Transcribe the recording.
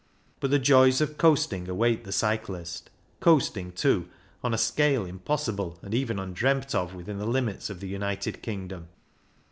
But the joys of coasting await the cyclist, coasting, too, on a scale impossible and even undreamt of within the limits of the United Kingdom.